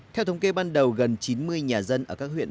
theo thống kê ban đầu gần chín mươi nhà dân ở các huyện